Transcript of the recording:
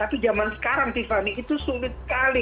tapi zaman sekarang tiffany itu sulit sekali